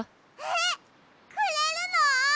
えっくれるの？